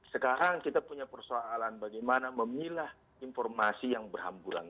sekarang kita punya persoalan bagaimana memilah informasi yang berhamburan